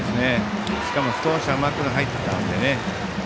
しかも少し甘く入ったので。